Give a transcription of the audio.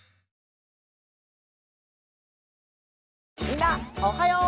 みんなおはよう！